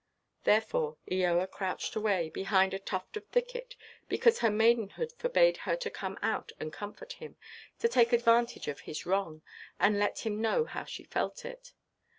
Therefore Eoa crouched away, behind a tuft of thicket, because her maidenhood forbade her to come out and comfort him, to take advantage of his wrong, and let him know how she felt it.